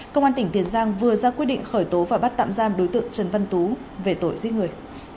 công an tỉnh tiền giang vừa ra quyết định khởi tố và bắt tạm giam đối tượng trần văn tú về tội giết người